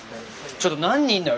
ちょっと何人いんのよ？